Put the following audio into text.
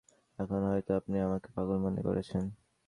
এখনো হয়তো আপনি আমাকে পাগল মনে করছেন।